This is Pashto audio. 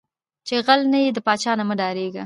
ـ چې غل نه وې د پاچاه نه مه ډارېږه.